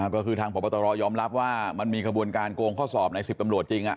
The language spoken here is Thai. ก็คือทางพบตรยอมรับว่ามันมีขบวนการโกงข้อสอบใน๑๐ตำรวจจริง